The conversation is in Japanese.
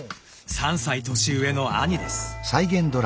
３歳年上の兄です。